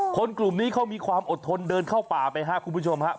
กลุ่มนี้เขามีความอดทนเดินเข้าป่าไปครับคุณผู้ชมครับ